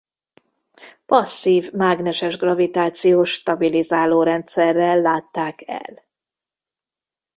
Passzív mágneses-gravitációs stabilizáló rendszerrel látták el.